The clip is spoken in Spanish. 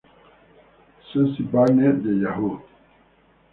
Suzy Byrne de Yahoo!